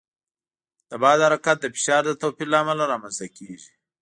د باد حرکت د فشار د توپیر له امله رامنځته کېږي.